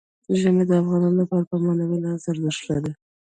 ژمی د افغانانو لپاره په معنوي لحاظ ارزښت لري.